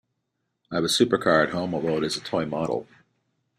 I have a supercar at home, although it is a toy model.